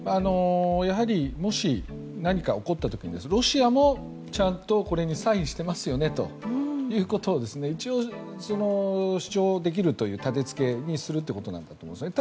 やはりもし何か起こった時にロシアもちゃんとこれにサインしていますよねということを一応、主張できるという立て付けにするということです。